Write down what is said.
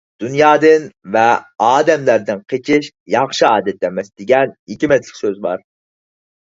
«دۇنيادىن ۋە ئادەملەردىن قېچىش ياخشى ئادەت ئەمەس» دېگەن ھېكمەتلىك سۆز بار.